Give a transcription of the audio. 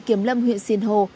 kiểm lâm huyện sinh hồ